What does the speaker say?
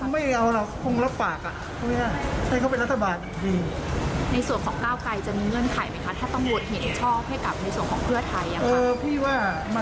ไปเอาดึงสองรุมเข้ามา